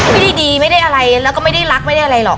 ไม่ได้ดีไม่ได้อะไรแล้วก็ไม่ได้รักไม่ได้อะไรหรอก